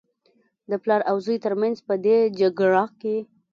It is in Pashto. د پلار او زوى تر منځ په دې جګړه کې.